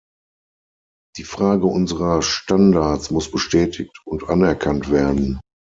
Die Frage unserer Standards muss bestätigt und anerkannt werden.